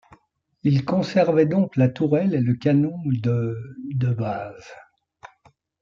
Il conservait donc la tourelle et le canon de de base.